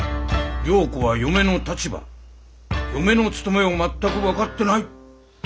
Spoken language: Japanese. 良子は嫁の立場嫁の務めを全く分かってない。